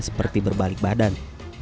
seperti berbalik badan